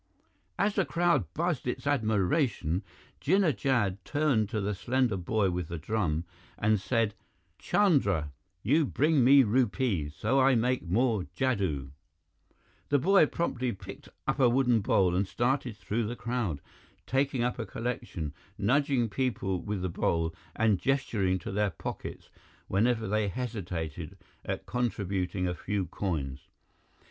As the crowd buzzed its admiration, Jinnah Jad turned to the slender boy with the drum and said, "Chandra, you bring me rupees, so I make more jadoo." The boy promptly picked up a wooden bowl and started through the crowd, taking up a collection, nudging people with the bowl and gesturing to their pockets whenever they hesitated at contributing a few coins.